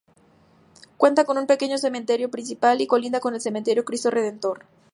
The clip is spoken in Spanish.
Cuenta con un pequeño cementerio principal y colinda con el Cementerio Cristo Redentor.